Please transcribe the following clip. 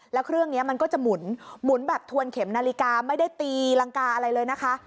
แล้วเครื่องนี้มันก็จะหมุนหมุนแบบทวนเข็มนาฬิกาไม่ได้ตีรังกาอะไรเลยนะคะ